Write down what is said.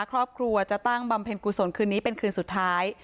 ครอบครัวจะตั้งบำเพ็ญกุศลคืนนี้เป็นคืนสุดท้าย